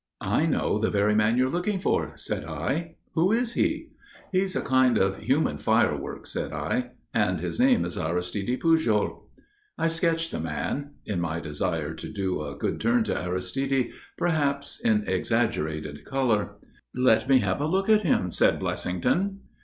"I know the very man you're looking for," said I. "Who is he?" "He's a kind of human firework," said I, "and his name is Aristide Pujol." I sketched the man in my desire to do a good turn to Aristide, perhaps in exaggerated colour. "Let me have a look at him," said Blessington.